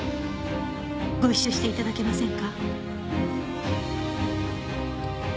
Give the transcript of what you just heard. ご一緒していただけませんか？